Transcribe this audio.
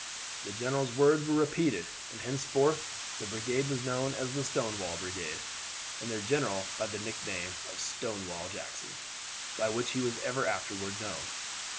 The general's words were repeated, and henceforth the brigade was known as the Stonewall Brigade, and their general by the nickname of Stonewall Jackson, by which he was ever afterward known.